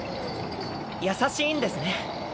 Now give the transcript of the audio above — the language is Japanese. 優しいんですね。